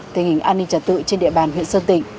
tình hình an ninh trật tự trên địa bàn huyện sơn tịnh